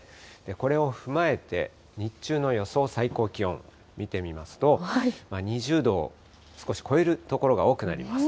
これを踏まえて、日中の予想最高気温、見てみますと、２０度を少し超える所が多くなります。